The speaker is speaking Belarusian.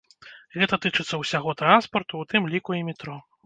Гэта тычыцца ўсяго транспарту, у тым ліку і метро.